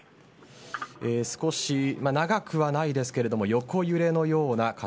少し長くはないですけれども横揺れのような形。